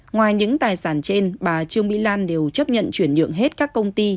ngoài những tài sản trên bà trương mỹ lan đều chấp nhận chuyển nhượng hết các công ty